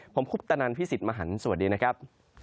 ผมคุปตนันพี่สิทธิ์มหันฯสวัสดีนะครับ